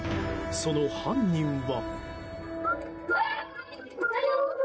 その犯人は。